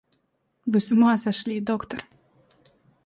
— Вы с ума сошли, доктор!